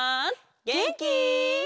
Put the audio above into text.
げんき？